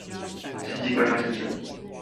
世紀怪盜現身